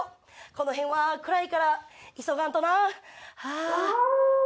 この辺は暗いから急がんとな。